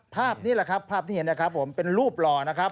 ภาพนี้แหละครับภาพที่เห็นนะครับผมเป็นรูปหล่อนะครับ